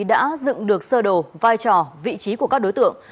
đã dựng được sơ đồ vai trò vị trí của các đối tượng